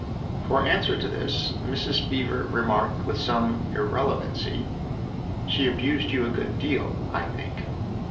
For answer to this Mrs. Beever remarked with some irrelevancy :" She abused you a good deal, I think."